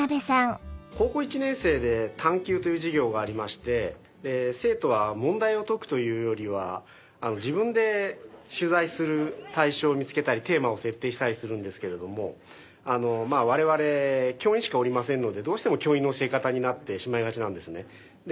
高校１年生で「探究」という授業がありまして生徒は問題を解くというよりは自分で取材する対象を見つけたりテーマを設定したりするんですけれども我々教員しかおりませんのでどうしても教員の教え方になってしまいがちなんですね。